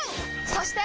そして！